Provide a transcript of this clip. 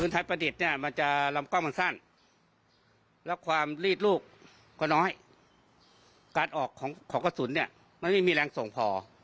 ที่ไม่มีแรงส่งพอ